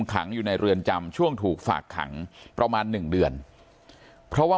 ขังอยู่ในเรือนจำช่วงถูกฝากขังประมาณ๑เดือนเพราะว่า